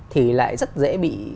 thì lại rất dễ bị